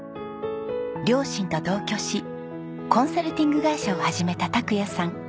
両親と同居しコンサルティング会社を始めた拓也さん。